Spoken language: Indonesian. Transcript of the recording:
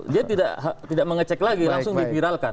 dia tidak mengecek lagi langsung di viralkan